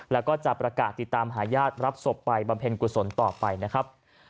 แล้วก็จะประกาศติดตามหาญาติรับศพไปบำเพ็ญกุศลต่อไปนะครับ